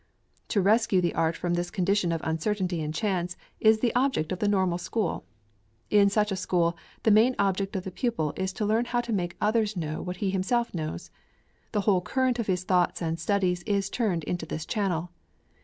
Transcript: To rescue the art from this condition of uncertainty and chance, is the object of the Normal School. In such a school, the main object of the pupil is to learn how to make others know what he himself knows. The whole current of his thoughts and studies is turned into this channel.